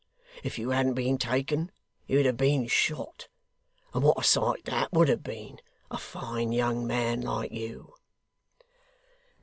If you hadn't been taken, you'd have been shot; and what a sight that would have been a fine young man like you!